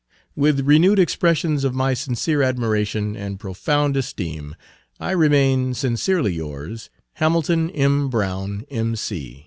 With renewed expressions of my sincere admiration and profound esteem, I remain, Sincerely yours, HAMILTON M. BROWN, M.